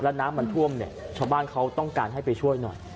แล้วน้ำมันท่วมเนี่ยชาวบ้านเขาต้องการให้ไปช่วยหน่อย